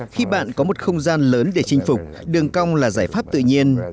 khi bạn có một không gian lớn để chinh phục đường cong là giải pháp tự nhiên